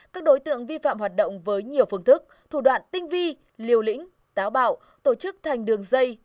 các đối tượng vi phạm hoạt động với nhiều phương thức thủ đoạn tinh vi liều lĩnh táo bạo tổ chức thành đường dây